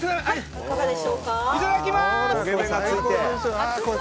いただきます。